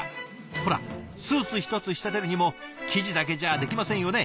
ほらスーツ一つ仕立てるにも生地だけじゃできませんよね？